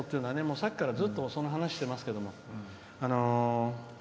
さっきから、ずっとその話をしていますけど。